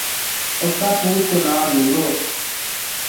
اُس کا پُوت کو ناں نورو